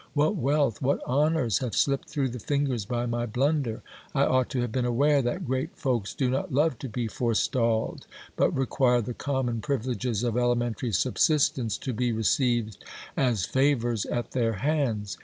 What wealth, what honours have slipped through the fingers, by my blunder ! I ought to have been aware that great folks do not love to be fore stalled, but require the common privileges of elementary subsistence to be re ceived as favours at their hands.